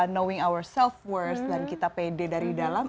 knowing our self worst dan kita pede dari dalam